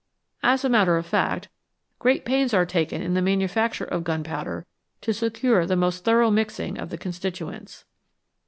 As a matter of fact, great pains are taken in the manufacture of gunpowder to secure the most thorough mixing of the constituents.